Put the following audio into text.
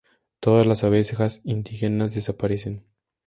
Todas las abejas indígenas desaparecen.